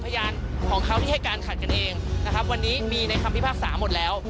พยานของเขาที่ให้การขัดกันเองนะครับวันนี้มีในคำพิพากษาหมดแล้ว